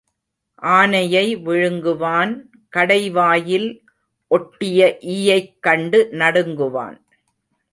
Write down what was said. ஆனையை விழுங்குவான் கடைவாயில் ஒட்டிய ஈயைக் கண்டு நடுங்குவான்.